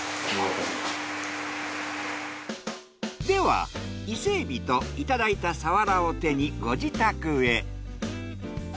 では伊勢海老といただいたサワラを手にご自宅へ。